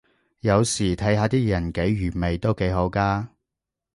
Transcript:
有時睇下啲人幾愚昧都幾好咖